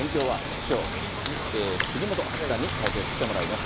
師匠、杉本八段に解説してもらいます。